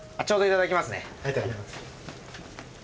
ちょうどいただきますね。